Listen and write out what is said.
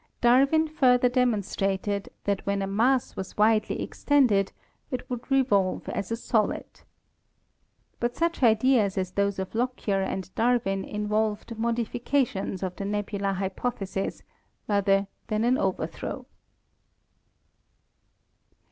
Darwin further demonstrated that when a mass was widely 314 ASTRONOMY extended it would revolve as a solid. But such ideas as those of Lockyer and Darwin involved modifications of the nebular hypothesis rather than an overthrow.